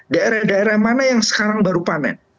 daerah daerah mana yang sekarang baru panen